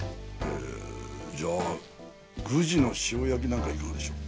じゃあグジの塩焼きなんかいかがでしょう？